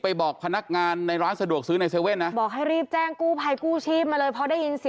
ถ้าวันนั้นเขามีมีดหรือว่ามีเปลืองผมจะรอด